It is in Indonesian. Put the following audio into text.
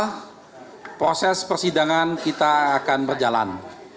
karena proses persidangan kita akan berjalan